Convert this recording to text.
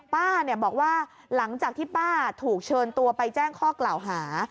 ป้าบอกว่าหลังจากที่ป้าถูกเชิญตัวไปแจ้งข้อกล่าวหา